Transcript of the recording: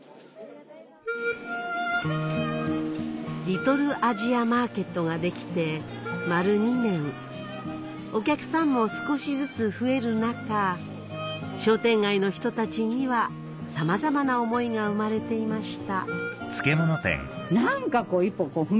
リトルアジアマーケットが出来て丸２年お客さんも少しずつ増える中商店街の人たちにはさまざまな思いが生まれていました